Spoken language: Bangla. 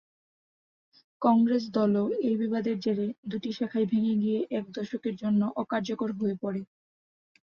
কংগ্রেস দলও এই বিবাদের জেরে দুটি শাখায় ভেঙে গিয়ে এক দশকের জন্য অকার্যকর হয়ে পড়ে।